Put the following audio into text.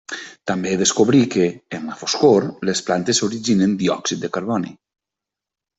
També descobrí que, en la foscor, les plantes originen diòxid de carboni.